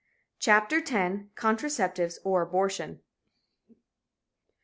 CHAPTER X CONTRACEPTIVES OR ABORTION?